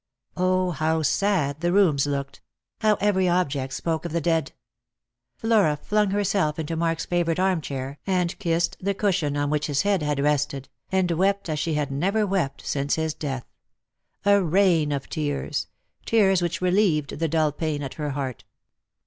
0, how sad the rooms looked ! how every object spoke of the dead ! Flora flung herself into Mark's favourite arm chair, and kissed the cushion on which his head had rested, and wept as she had never wept since his death, — a rain of tears — tears which reHeved the dull pain at her heart.